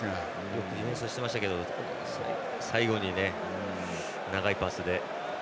よくディフェンスはしてましたけど最後に長いパスで。